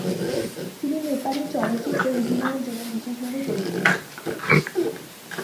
তিনি নেপালি চলচ্চিত্রে অভিনয়ের জন্য বিশেষভাবে পরিচিত।